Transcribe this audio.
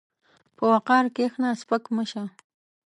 په وقار کښېنه، سپک مه شه.